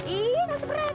iya nggak usah berat